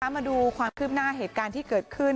มาดูความคืบหน้าเหตุการณ์ที่เกิดขึ้น